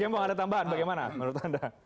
gembong ada tambahan bagaimana menurut anda